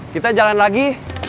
kita jalan lagi